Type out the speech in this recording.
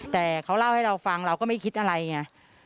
แต่เขาเล่าให้เราฟังเราก็ไม่คิดอะไรไง